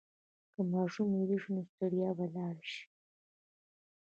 که ماشوم ویده شي، نو ستړیا به لاړه شي.